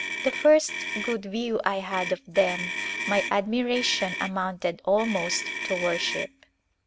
The first good view I had of them my admiration amounted almost to worship.